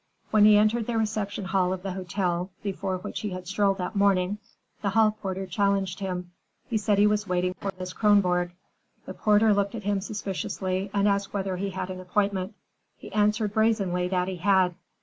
When he entered the reception hall of the hotel before which he had strolled that morning, the hall porter challenged him. He said he was waiting for Miss Kronborg. The porter looked at him suspiciously and asked whether he had an appointment. He answered brazenly that he had.